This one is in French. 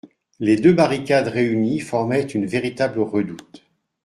Les deux barricades réunies formaient une véritable redoute.